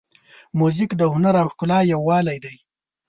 موزیک د هنر او ښکلا یووالی دی.